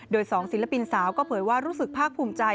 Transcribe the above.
โดย๒ศิลปินสาวก็เผยว่ารู้สึกภาคภูมิใจ